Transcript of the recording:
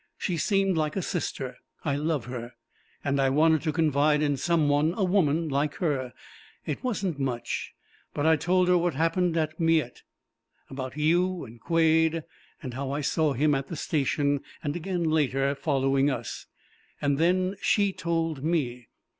She seemed like a sister. I love her. And I wanted to confide in some one a woman, like her. It wasn't much, but I told her what happened at Miette: about you, and Quade, and how I saw him at the station, and again later, following us. And then she told me!